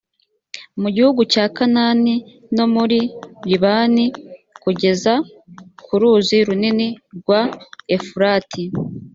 mu gihugu cya kanahani no muri libani, kugera ku ruzi runini rwa efurati.